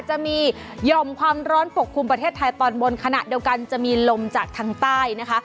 จะมีหย่อมความร้อนปกคลุมประเทศไทยตอนบนขณะเดียวกันจะมีลมจากทางใต้นะคะ